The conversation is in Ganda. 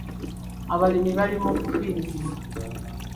Abalimi bali mu kufiirizibwa.